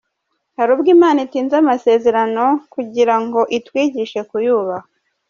Hari ubwo Imana itinza amasezerano kugira ngo itwigishe kuyubaha.